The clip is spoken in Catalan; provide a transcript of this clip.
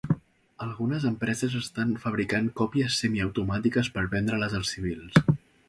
Algunes empreses estan fabricant còpies semiautomàtiques per vendre-les als civils.